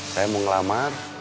saya mau ngelamar